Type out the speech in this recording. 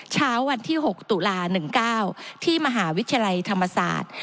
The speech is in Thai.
เช้าวันที่๖ตุลา๑๙ที่มหาวิทยาลัยธรรมศาสตร์